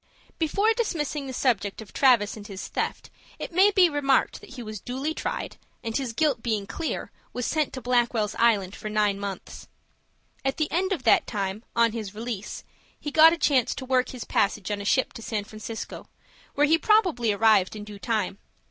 Before dismissing the subject of Travis and his theft, it may be remarked that he was duly tried, and, his guilt being clear, was sent to Blackwell's Island for nine months. At the end of that time, on his release, he got a chance to work his passage on a ship to San Francisco, where he probably arrived in due time.